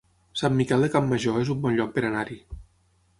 Sant Miquel de Campmajor es un bon lloc per anar-hi